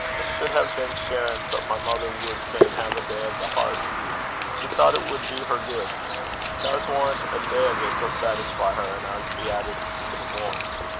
I suld hae been shearin', but my mither wad fain hae a day o' the hairst. She thocht it wud du her gude. But I s' warran' a day o' 't 'll sair (satisfy) her, and I s' be at it the morn.